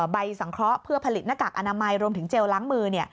ใบสังเคราะห์เพื่อผลิตหน้ากากอนามัยรวมถึงเจลล้างมือ